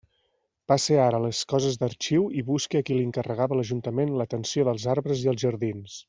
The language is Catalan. Passe ara a les coses d'arxiu i busque a qui li encarregava l'ajuntament l'atenció dels arbres i els jardins.